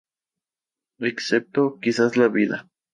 Excepto, quizás la vida.